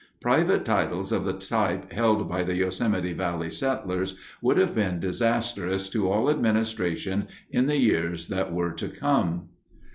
Private titles of the type held by the Yosemite Valley settlers would have been disastrous to all administration in the years that were to come.